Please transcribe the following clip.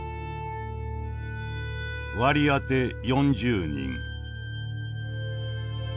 「割り当て４０人」。